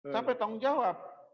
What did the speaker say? sampai tanggung jawab